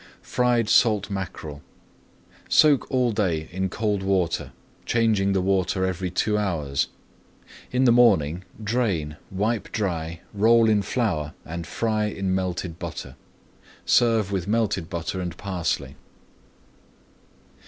FRIED SALT MACKEREL Soak all day in cold water, changing the [Page 225] water every two hours. In the morning drain, wipe dry, roll in flour and fry in melted butter. Serve with melted butter and parsley.